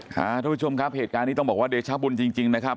ท่านผู้ชมครับเหตุการณ์นี้ต้องบอกว่าเดชบุญจริงนะครับ